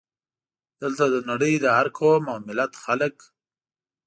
دلته د نړۍ د هر قوم او ملت خلک.